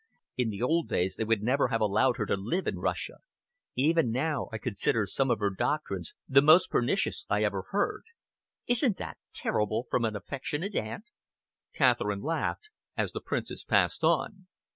In the old days they would never have allowed her to live in Russia. Even now, I consider some of her doctrines the most pernicious I ever heard." "Isn't that terrible from an affectionate aunt!" Catherine laughed, as the Princess passed on.